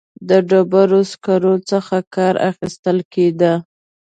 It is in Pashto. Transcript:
د ډبرو سکرو څخه کار اخیستل کېده.